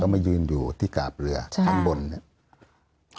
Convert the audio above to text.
มายืนอยู่ที่กาบเรือข้างบนเนี่ย